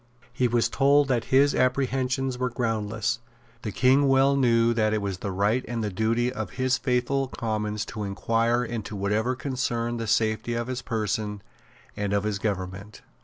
He was told that his apprehensions were groundless. The King well knew that it was the right and the duty of his faithful Commons to inquire into whatever concerned the safety of his person and of his government.